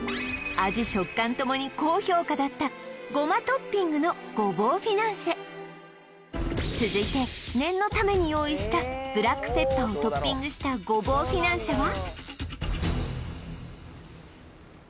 トッピングのごぼうフィナンシェ続いて念のために用意したブラックペッパーをトッピングしたごぼうフィナンシェは？